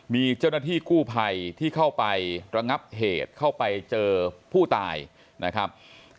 มีเจ้าหน้าที่กู้ภัยที่เข้าไประงับเหตุเข้าไปเจอผู้ตายนะครับ